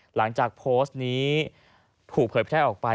หลังจากโพสต์นี้ถูกเผยแพร่ออกไป